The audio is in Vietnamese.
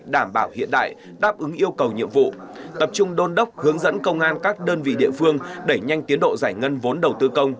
đảm bảo hiện đại đáp ứng yêu cầu nhiệm vụ tập trung đôn đốc hướng dẫn công an các đơn vị địa phương đẩy nhanh tiến độ giải ngân vốn đầu tư công